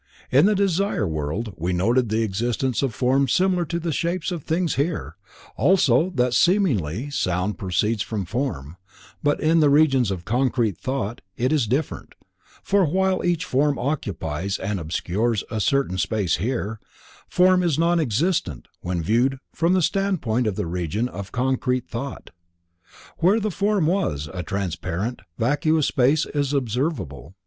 In the Desire World we noted the existence of forms similar to the shapes of things here, also that seemingly sound proceeds from form, but in the Region of concrete Thought it is different, for while each form occupies and obscures a certain space here, form is nonexistent when viewed from the standpoint of the Region of concrete Thought. Where the form was, a transparent, vacuous space is observable.